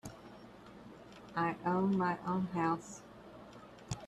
I own my own house.